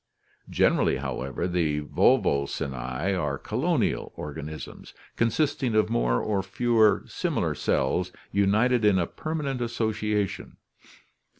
Generally, however, the Volvocinte are colonial organisms, con sisting of more or fewer similar cells united in a permanent association.